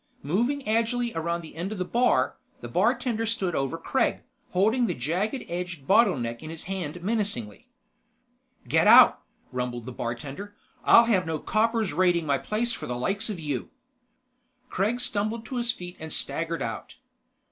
Moving agilely around the end of the bar, the bartender stood over Kregg, holding the jagged edged bottleneck in his hand menacingly. "Get out!" rumbled the bartender. "I'll have no coppers raiding my place for the likes of you!" Kregg stumbled to his feet and staggered out.